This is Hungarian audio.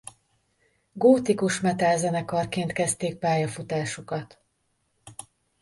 Gótikus metal zenekarként kezdték pályafutásukat.